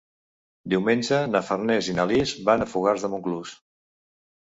Diumenge na Farners i na Lis van a Fogars de Montclús.